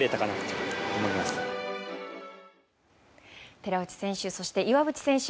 寺内選手そして岩渕選手